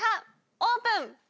オープン！